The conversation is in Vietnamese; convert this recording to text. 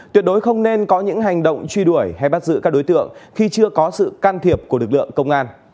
tuyệt đối không nên có những hành động truy đuổi hay bắt giữ các đối tượng khi chưa có sự can thiệp của lực lượng công an